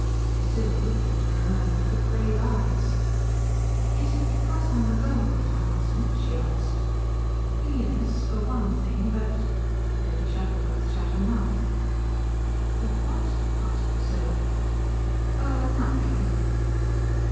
Priscilla looked at her a moment with grave eyes. "Is it because I'm a girl that I mustn't?" she asked. "Yes. For one thing. But " Lady Shuttleworth shut her mouth. "But what?" asked Priscilla. "Oh, nothing."